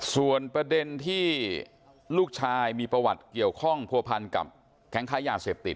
ส่วนประเด็นที่ลูกชายมีประวัติเกี่ยวข้องผัวพันกับแก๊งค้ายาเสพติด